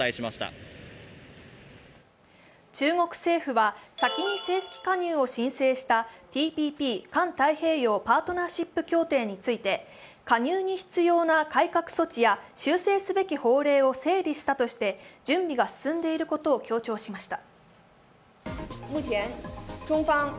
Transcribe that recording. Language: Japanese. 中国政府は先に正式加入を申請したＴＰＰ＝環太平洋パートナーシップ協定について加入に必要な改革措置や修正すべき法令を整理したとして準備が進んでいることを強調しました。